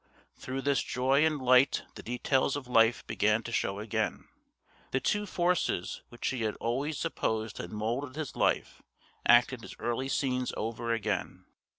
Through this joy and light the details of life began to show again. The two forces which he had always supposed had moulded his life acted his early scenes over again.